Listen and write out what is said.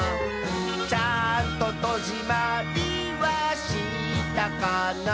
「ちゃんととじまりはしたかな」